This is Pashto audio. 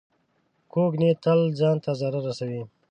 کوږ نیت تل ځان ته ضرر رسوي